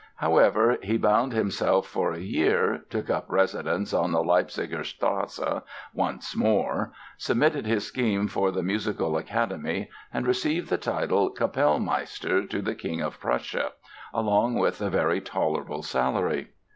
However, he bound himself for a year, took up residence on the Leipziger Strasse once more, submitted his scheme for the Musical Academy and received the title "Kapellmeister to the King of Prussia" along with a very tolerable salary.